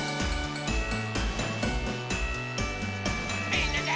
みんなで。